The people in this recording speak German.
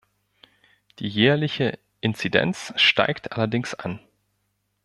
Die jährliche Inzidenz steigt allerdings an.